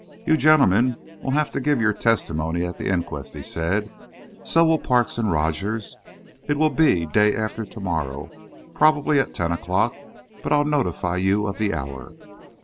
"You gentlemen will have to give your testimony at the inquest," he said. "So will Parks and Rogers. It will be day after to morrow, probably at ten o'clock, but I'll notify you of the hour."